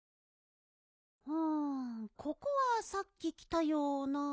うんここはさっききたような。